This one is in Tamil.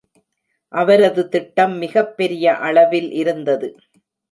அவரது திட்டம் மிகப்பெரிய அளவில் இருந்தது.